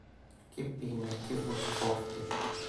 Che penne e che voci forti!